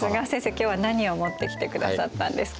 今日は何を持ってきてくださったんですか？